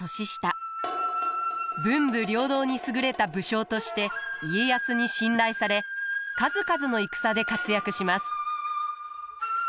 文武両道に優れた武将として家康に信頼され数々の戦で活躍します。